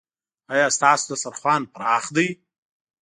ایا ستاسو دسترخوان پراخ دی؟